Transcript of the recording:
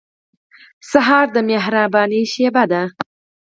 سهار د مهربانۍ شېبه ده.